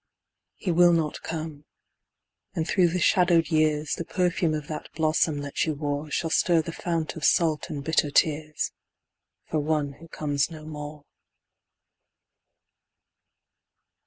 He will not come. And through the shadowed years, The perfume of that blossom that you wore Shall stir the fount of salt and bitter tears For one who comes no more.